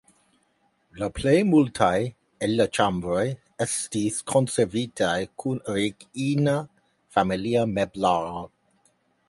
La plej multaj el la ĉambroj estis konservitaj kun origina familia meblaro.